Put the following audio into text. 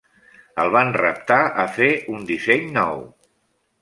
El van reptar a fer un disseny nou.